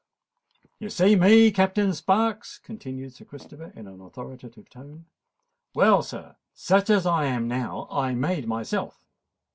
"You see me, Captain Sparks?" continued Sir Christopher, in an authoritative tone. "Well, sir—such as I am now, I made myself."